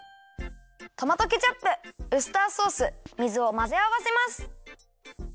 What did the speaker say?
トマトケチャップウスターソース水をまぜあわせます。